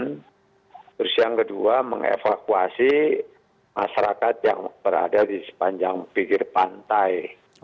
dan kemudian terus yang kedua mengevakuasi masyarakat yang berada di sepanjang pikir pantai